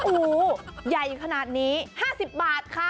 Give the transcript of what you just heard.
โอ้โหใหญ่ขนาดนี้๕๐บาทค่ะ